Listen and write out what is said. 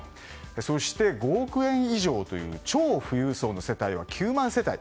そして、５億円以上という超富裕層は９万世帯。